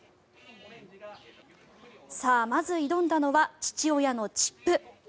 さあ、まず挑んだのは父親のチップ。